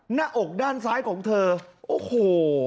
หน้าอกด้านซ้ายของเธอโอ้โห